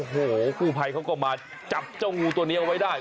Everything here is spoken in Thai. โอ้โหกู้ภัยเขาก็มาจับเจ้างูตัวนี้เอาไว้ได้